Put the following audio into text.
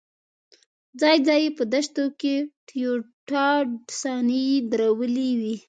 ځای ځای په دښتو کې ټویوټا ډاډسنې درولې وې.